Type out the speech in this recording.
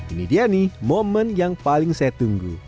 ini dia nih momen yang paling saya tunggu